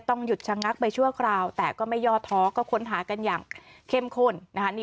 หยุดชะงักไปชั่วคราวแต่ก็ไม่ย่อท้อก็ค้นหากันอย่างเข้มข้นนะคะ